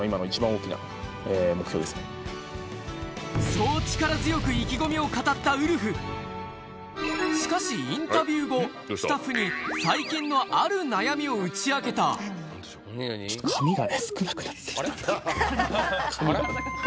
そう力強く意気込みを語ったウルフしかしインタビュー後スタッフにを打ち明けた髪が。